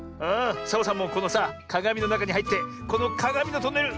サボさんもこのさかがみのなかにはいってこのかがみのトンネル